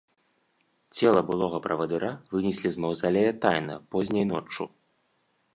Цела былога правадыра вынеслі з маўзалея тайна, позняй ноччу.